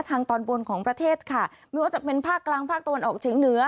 ทางตอนบนของประเทศค่ะไม่ว่าจะเป็นภาคกลางภาคตะวันออกเฉียงเหนือ